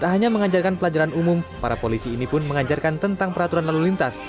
tak hanya mengajarkan pelajaran umum para polisi ini pun mengajarkan tentang peraturan lalu lintas